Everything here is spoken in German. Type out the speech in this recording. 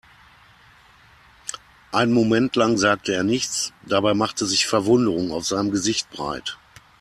Einen Moment lang sagte er nichts, dabei machte sich Verwunderung auf seinem Gesicht breit.